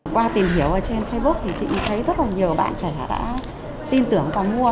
qua tìm hiểu trên facebook chị thấy rất nhiều bạn trẻ đã tin tưởng vào mua